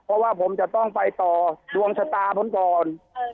เพราะว่าผมจะต้องไปต่อดวงชะตาผมก่อน